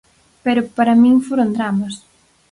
Pero para min foron dramas.